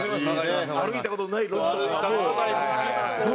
歩いた事のない路地とかもう。